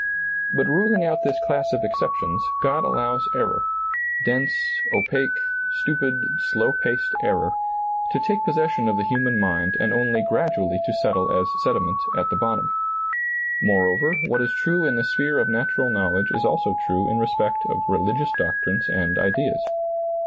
But ruling out this class of exceptions, God allows error — dense, opaque, stupid, slow paced error — ^to take pos session of the human mind and only gradually to settle as sediment at the bottom. Moreover, what is true in the sphere of natural knowledge is also true in respect of religious doctrines and ideas.